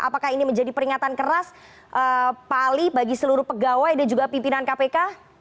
apakah ini menjadi peringatan keras pak ali bagi seluruh pegawai dan juga pimpinan kpk